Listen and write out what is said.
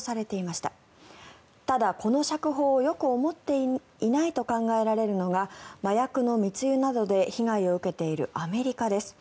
ただ、この釈放をよく思っていないと考えられるのが麻薬の密輸などで被害を受けているアメリカです。